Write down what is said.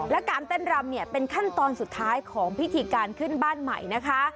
และการเต้นรำเนี่ยเป็นขั้นตอนสุดท้ายของพิธีการขึ้นบ้านใหม่นะคะ